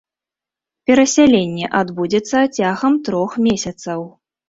Перасяленне адбудзецца цягам трох месяцаў.